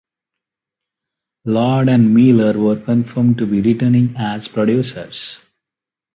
Lord and Miller were confirmed to be returning as producers.